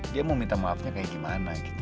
dia mau minta maafnya kayak gimana gitu